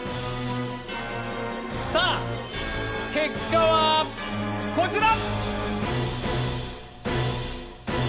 さあ結果はこちら！